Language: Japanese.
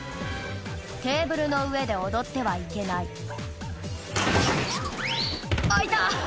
テーブルの上で踊ってはいけない「あ痛っ」